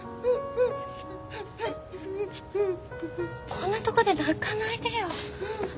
こんなとこで泣かないでよ。